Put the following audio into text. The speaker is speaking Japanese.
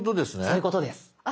そういうことです。